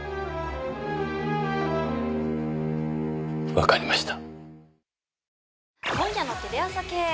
わかりました。